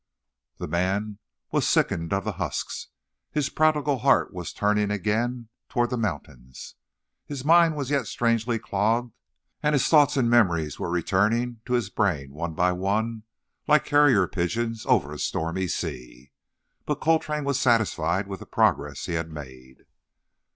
The man was sickened of the husks; his prodigal heart was turning again toward the mountains. His mind was yet strangely clogged, and his thoughts and memories were returning to his brain one by one, like carrier pigeons over a stormy sea. But Coltrane was satisfied with the progress he had made.